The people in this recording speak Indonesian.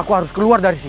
aku harus pergi dari sini